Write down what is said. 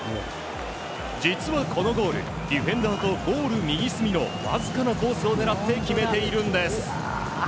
実はこのゴールディフェンダーとゴール右隅のわずかなコースを狙って決めているんです。